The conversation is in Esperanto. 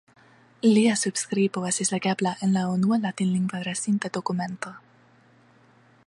Lia subskribo estas legebla en la unua latinlingva restinta dokumento.